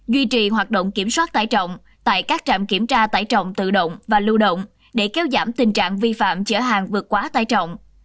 duy trì hoạt động kiểm soát tải trọng tại các trạm kiểm tra tải trọng tự động và lưu động để kéo giảm tình trạng vi phạm chở hàng vượt quá tải trọng